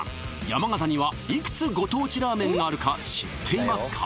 山形にはいくつご当地ラーメンがあるか知っていますか？